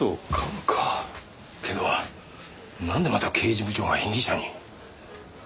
けどなんでまた刑事部長が被疑者に？